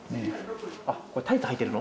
あこれタイツはいてるの？